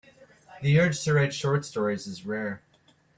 The urge to write short stories is rare.